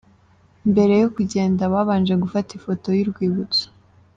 Mbere yo kugenda babanje gufata ifoto y’urwibutso.